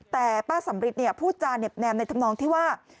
แต่ป้าสัมฤทธิ์เนี่ยพูดจานแนบในทางน้องที่ว่า